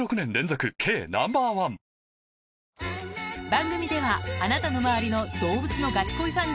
番組ではあなたの周りの動物のガチ恋さん